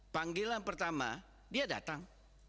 panggilan pertama dia datang